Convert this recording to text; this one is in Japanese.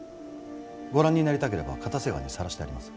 ご覧になりたければ固瀬川にさらしてあります。